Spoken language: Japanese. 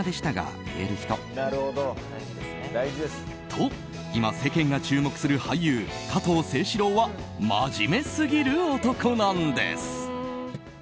と、今世間が注目する俳優・加藤清史郎は真面目すぎる男なんです！